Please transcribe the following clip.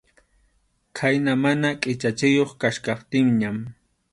Khayna mana qʼichachiyuq kachkaptinñan.